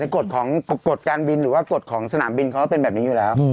กฎของกฎการบินหรือว่ากฎของสนามบินเขาก็เป็นแบบนี้อยู่แล้ว